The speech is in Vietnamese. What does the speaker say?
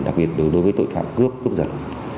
đặc biệt đối với tội phạm cướp cướp giật